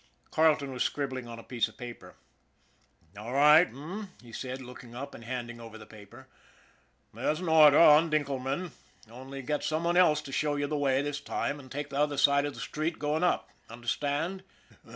Carleton was scribbling on a piece of paper. " All right, h'm? " he said, looking up and handing over the paper. :t There's an order on Dinkelman, only get some one else to show you the way this time, and take the other side of the street going up. Under stand?"